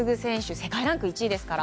世界ランク１位ですから。